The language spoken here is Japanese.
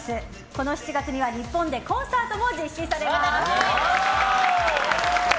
この７月には日本でコンサートも実施されます。